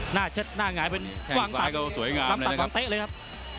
หน้าเช็ดหน้างายเป็นแข่งซ้ายก็สวยงามเลยนะครับ